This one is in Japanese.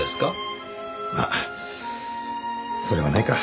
まっそれはないか。